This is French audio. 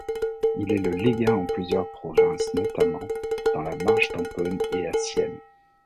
Il est légat en plusieurs provinces, notamment dans la Marche d'Ancône et à Sienne.